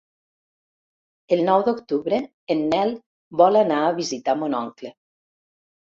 El nou d'octubre en Nel vol anar a visitar mon oncle.